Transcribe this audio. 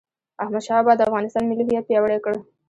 احمدشاه بابا د افغانستان ملي هویت پیاوړی کړ..